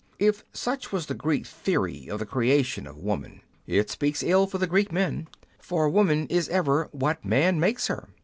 If such was the Greek theory of the creation of 108 r What are Women Made Of? woman, it speaks ill for the Greek men ; for woman is ever what man makes her.